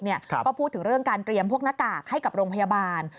ก็พูดถึงเรื่องการเตรียมพวกหน้ากากให้กับโรงพยาบาล